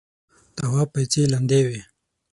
تواب پايڅې لندې وې.